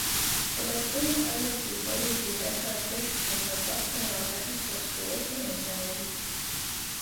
Tāpēc lūdzu atbalstīt pozīcijas deputātu priekšlikumu par profesionāli tehnisko skolu finansējumu.